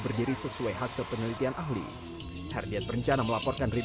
masyarakat kita sebenarnya elah dan damai kondusif